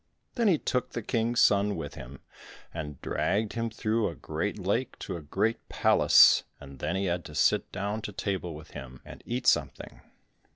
Then he took the King's son with him, and dragged him through a great lake to a great palace, and then he had to sit down to table with him and eat something.